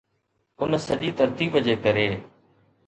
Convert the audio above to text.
ان سڄي ترتيب جي ڪري